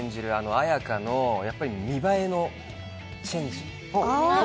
綾華の見栄えのチェンジ。